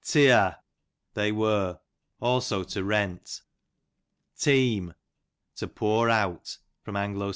Teear, they were; also to rent. Teem, to pour out. A.S.